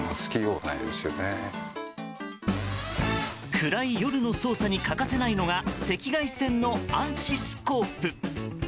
暗い夜の捜査に欠かせないのは赤外線の暗視スコープ。